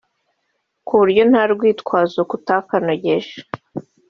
ku buryo nta rwitwazo k’utakanogeje